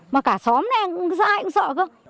mà cả xóm này ai cũng sợ